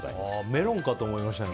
メロンかと思いましたね。